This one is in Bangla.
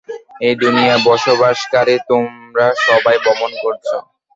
এই দুনিয়ায় বসবাসকারী তোমরা সবাই ভ্রমণ করছো।